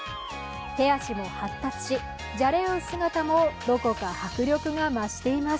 手足も発達し、じゃれ合う姿もどこか迫力が増しています。